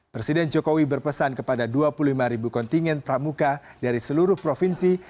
presiden jokowi berpesan kepada dua puluh lima ribu kontingen pramuka dari seluruh provinsi